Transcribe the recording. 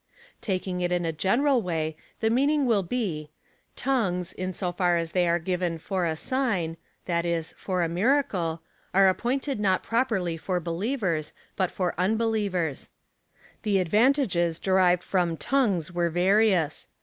Taking it in a general way, the meaning will be —" Tongues, in so far as they are given for a sign — that is, for a miracle — are appointed not properly for believers, but for unbelievers." The advantages derived from tongues were various.